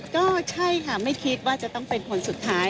ก็ใช่ค่ะไม่คิดว่าจะต้องเป็นคนสุดท้าย